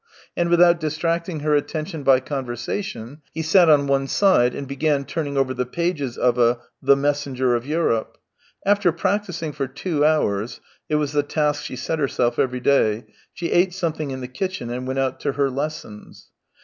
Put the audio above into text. And witliout distracting her attention by conversation, lie sat on one side and began turning over tiie pages of a " The Messenger of Europe." After practising for two hours — it was the task she set lierself every day — she ate something in the kitchen and went out to her lessons.